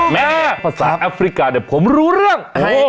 แม่ภาษาแอฟริกาเนี่ยผมรู้เรื่อง